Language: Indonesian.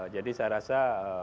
jadi saya rasa